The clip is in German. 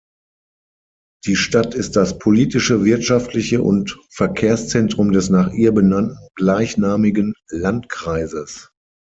Die Stadt ist das politische, wirtschaftliche und Verkehrszentrum des nach ihr benannten gleichnamigen Landkreises.